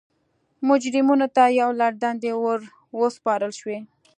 مجرمینو ته یو لړ دندې ور وسپارل شوې.